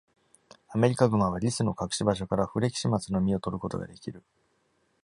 アメリカグマはリスの隠し場所からフレキシマツの実を取ることができる。